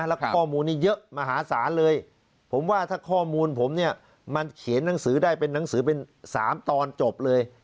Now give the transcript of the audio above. แล้วก็ข้อมูลนี้เยอะมหาศาลเลยผมว่าถ้าข้อมูลผมเนี่ยมันเขียนหนังสือได้เป็นหนังสือเป็น๓ตอนจบเลย